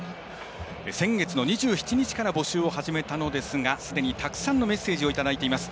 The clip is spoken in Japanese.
先月の２７日から募集を始めたのですがすでにたくさんのメッセージをいただいています。